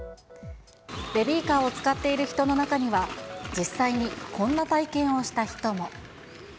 ベビーカーを使っている人の中には、実際にこんな体験をした人も。